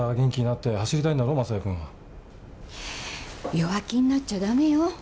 弱気になっちゃダメよ。